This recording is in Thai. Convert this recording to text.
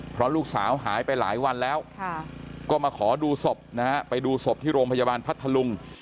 เพราะลูกสาวหายไปหลายวันแล้วก็มาขอดูศพนะฮะไปดูศพที่โรงพยาบาลพัทธลุง